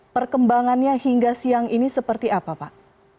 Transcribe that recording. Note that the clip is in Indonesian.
perkembangannya hingga siang ini seperti apa pak